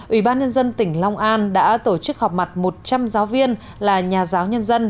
ủy ban nhân dân tỉnh long an đã tổ chức họp mặt một trăm linh giáo viên là nhà giáo nhân dân